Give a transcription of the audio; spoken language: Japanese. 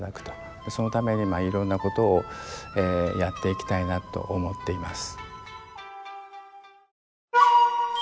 そのためにいろんなことをやっていきたいなと思っています。